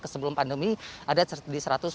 sebelum pandemi ada di